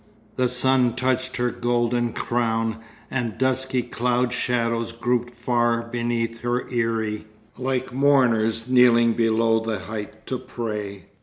The sun touched her golden crown, and dusky cloud shadows grouped far beneath her eyrie, like mourners kneeling below the height to pray.